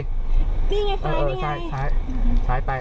ดิไงซ้ายดิไง